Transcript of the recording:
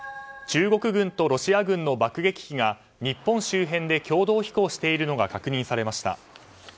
中国軍とロシア軍の爆撃機が日本周辺で共同飛行しているのが確認されました。